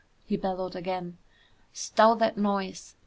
he bellowed again. "Stow that noise!